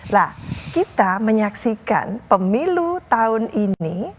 nah kita menyaksikan pemilu tahun ini